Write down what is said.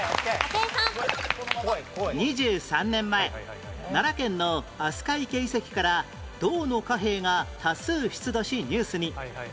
２３年前奈良県の飛鳥池遺跡から銅の貨幣が多数出土しニュースに